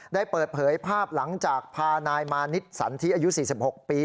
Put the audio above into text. ได้เปิดเผยภาพหลังจากพานายมานิดสันทิอายุ๔๖ปี